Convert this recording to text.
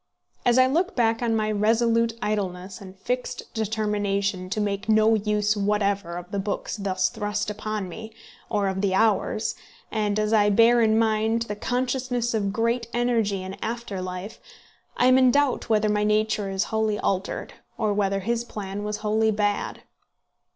As I look back on my resolute idleness and fixed determination to make no use whatever of the books thus thrust upon me, or of the hours, and as I bear in mind the consciousness of great energy in after life, I am in doubt whether my nature is wholly altered, or whether his plan was wholly bad.